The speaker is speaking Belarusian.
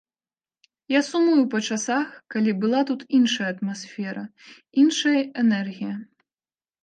Я сумую па часах, калі была тут іншая атмасфера, іншая энергія.